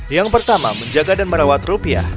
yang pertama menjaga dan merawat rupiah